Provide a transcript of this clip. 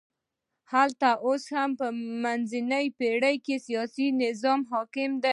هلته اوس هم د منځنیو پېړیو سیاسي نظام حاکم دی.